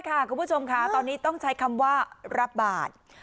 คุณผู้ชมค่ะตอนนี้ต้องใช้คำว่ารับบาท